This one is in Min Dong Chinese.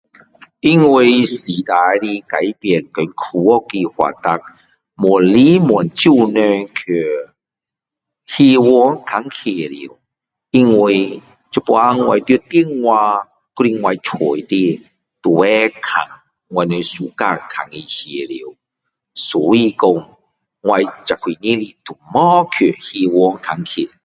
因为时代的改变跟科技的发达。越来越少人去戏院看戏了。因为现在我在电话或者在我家里面都可以看我们 suka 看的戏了。所以说，我这几年都没有去戏院看戏。